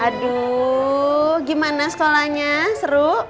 aduh gimana sekolahnya seru